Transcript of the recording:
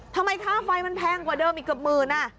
ทำไมค่าไฟมันแพงกว่าเดิมอีกเกือบหมื่น